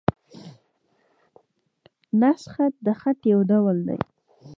نسخ خط؛ د خط یو ډول دﺉ.